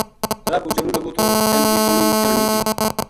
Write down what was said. راہ پو چلوں لگو تھو چَن کی سوہنی چننی تھی